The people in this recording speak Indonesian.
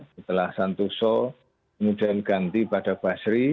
setelah santoso kemudian ganti pada basri